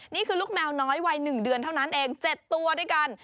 นี่คือลูกแมวน้อยวัย๑เดือนเท่านั้นเอง๗ตัวด้วยกัน